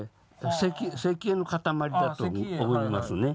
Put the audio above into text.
石英の塊だと思いますね。